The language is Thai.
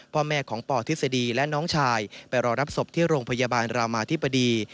พ่อแม่ของปทฤษฎีและน้องชายไปรอรับศพที่โรงพยาบาลรามาธิบดี